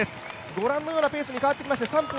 ご覧のようなペースに変わってきました。